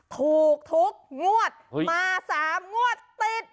ถูกทุกงวดมา๓งวดติด